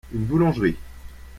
une boulangerie.